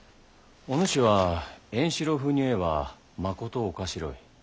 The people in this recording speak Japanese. お主は円四郎ふうに言えばまことおかしろい。